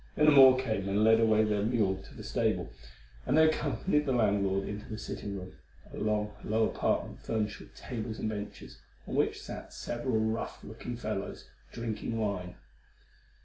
Then a Moor came and led away their mule to the stable, and they accompanied the landlord into the sitting room, a long, low apartment furnished with tables and benches, on which sat several rough looking fellows, drinking wine.